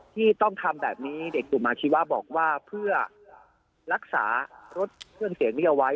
ที่ต้องทำแบบนี้เด็กกลุ่มอาชีวะบอกว่าเพื่อรักษารถเครื่องเสียงนี้เอาไว้